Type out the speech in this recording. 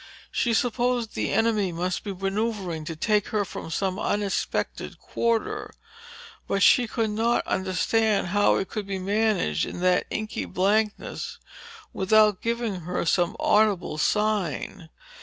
She supposed the enemy must be maneuvering to take her from some unexpected quarter. But she could not understand how it could be managed in that inky blackness without giving her some audible sign.